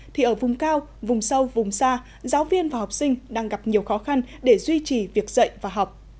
thì ở vùng cao vùng sâu vùng xa giáo viên và học sinh đang gặp nhiều khó khăn để duy trì việc dạy và học